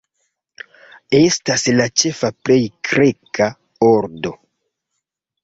Estas la ĉefa plej greka ordo.